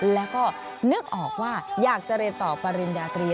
แล้วก็นึกออกว่าอยากจะเรียนต่อปริญญาตรี